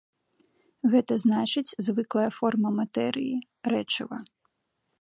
Гэта значыць, звыклая форма матэрыі, рэчыва.